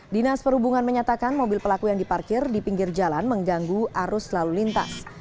dinas perhubungan menyatakan mobil pelaku yang diparkir di pinggir jalan mengganggu arus lalu lintas